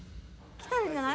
きたんじゃない？